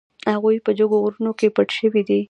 هغوی په جګو غرونو کې پټ شوي دي.